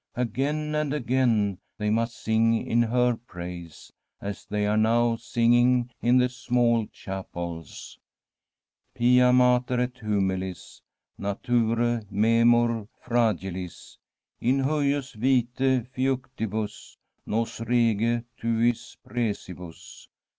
Again and again they must sing in her praise, as they are now singing in the small chapels :' Pia Mater et humilis, Naturx memor fragilis, In hujus vitac fluctibus Nos rege tuis precibus.